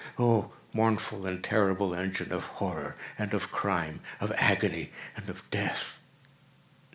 —oh, mournful and terrible engine of Horror and of Crime—of Agony and of Death!